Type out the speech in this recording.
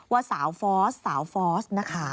ว่าสาวฟอสสาวฟอสนะคะ